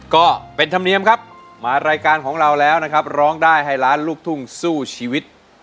ก็เป็นธรรมเนียมครับมารายการของเราแล้วนะครับร้องได้ให้ล้านลูกทุ่งสู้ชีวิต